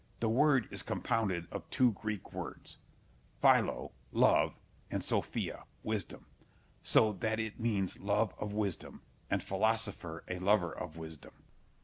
The word is compounded of two Greek words, philo, love, and sophia, wisdom; so that it means love of wisdom, and philosopher a lover of wisdom.